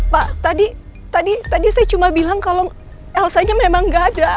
pak tadi saya cuma bilang kalau elsanya memang tidak ada